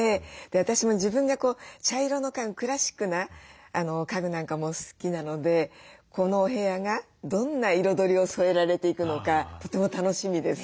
私も自分が茶色の家具クラシックな家具なんかも好きなのでこのお部屋がどんな彩りを添えられていくのかとても楽しみです。